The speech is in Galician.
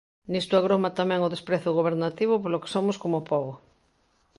Nisto agroma tamén o desprezo gobernativo polo que somos como pobo.